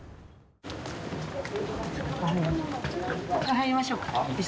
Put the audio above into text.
入りましょうか。